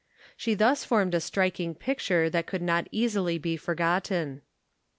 She thus formed a striking pic ture that could not easily be forgotten.